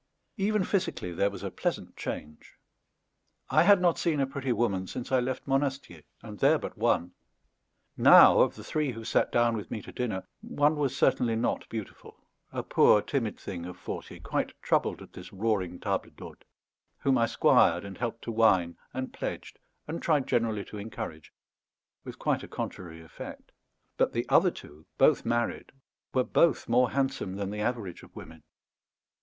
Even physically there was a pleasant change. I had not seen a pretty woman since I left Monastier, and there but one. Now of the three who sat down with me to dinner, one was certainly not beautiful a poor timid thing of forty, quite troubled at this roaring table d'hôte, whom I squired and helped to wine, and pledged and tried generally to encourage, with quite a contrary effect; but the other two, both married, were both more handsome than the average of women.